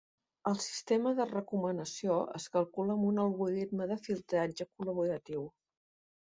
El sistema de recomanació es calcula amb un algorisme de filtratge col·laboratiu.